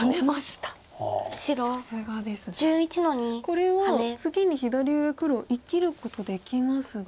これは次に左上黒生きることできますが。